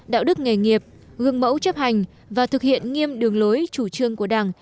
đạo đức nghề nghiệp gương mẫu chấp hành và thực hiện nghiêm đường lối chủ trương của đảng